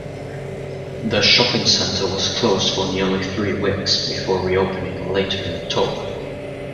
The shopping center was closed for nearly three weeks before re-opening later in October.